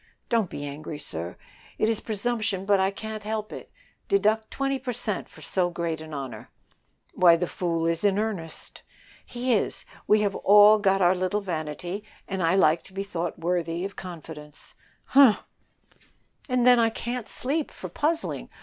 "Don't be angry, sir; it is presumption, but I can't help it. Deduct twenty per cent for so great a honor." "Why, the fool is in earnest." "He is; we have all got our little vanity, and like to be thought worthy of confidence." "Humph!" "And then I can't sleep for puzzling.